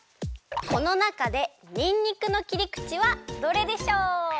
このなかでにんにくのきりくちはどれでしょう？